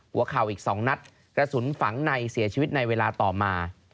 หัวเข่าอีก๒นัดกระสุนฝังในเสียชีวิตในเวลาต่อมา